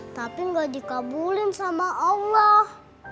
tapi nggak dikabulin sama allah